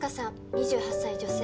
２８歳女性。